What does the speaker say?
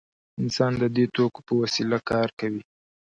انسان د دې توکو په وسیله کار کوي.